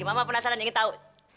mama penasaran ingin tahu